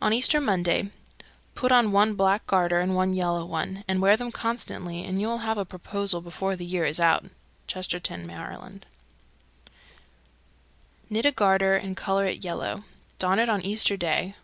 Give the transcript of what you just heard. On Easter Monday, put on one black garter and one yellow one, and wear them constantly, and you'll have a proposal before the year is out. Chestertown, Md. 321. Knit a garter and color it yellow. Don it on Easter Day.